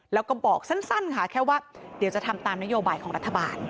แล้วก็บอกสั้นค่ะแค่ว่าเดี๋ยวจะทำตามนโยบายของรัฐบาล